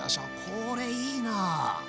これいいな！